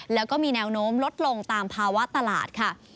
แล้วก็มีแนวโน้มลดลงตามภาวะตลาดค่ะ